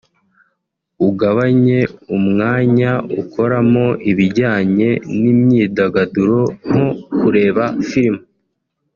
ugabanye umwanya ukoramo ibijyanye n'imyidagaduro nko kureba film